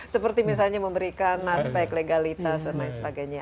seperti misalnya memberikan aspek legalitas dan lain sebagainya